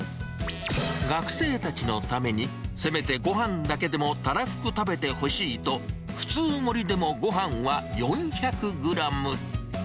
学生たちのために、せめてごはんだけでもたらふく食べてほしいと、普通盛りでもごはんは４００グラム。